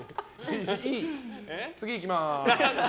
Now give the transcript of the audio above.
次いきます。